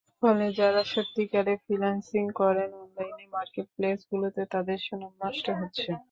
ফলে, যাঁরা সত্যিকারের ফ্রিল্যান্সিং করেন, অনলাইন মার্কেটপ্লেসগুলোতে তাঁদের সুনাম নষ্ট হচ্ছে।